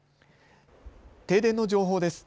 停電の情報です。